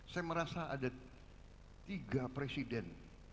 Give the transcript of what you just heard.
saya merasa ada tiga presiden